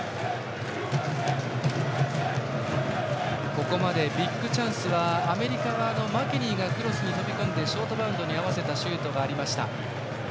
ここまでビッグチャンスはアメリカは、マケニーがクロスに飛び込んでショートバウンドに合わせたシュートがありました。